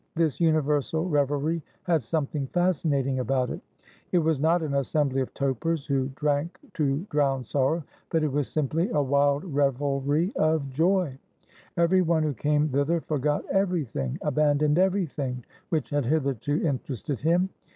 This universal revelry had something fascinating about it. It was not an assem bly of topers, who drank to drown sorrow, but it was simply a wild revelry of joy. Every one who came thither forgot everything, abandoned everything which had hitherto interested him.